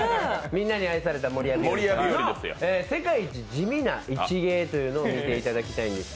みんなに愛された守谷日和ですけど、世界一地味な一芸というのを見ていただきたいんです。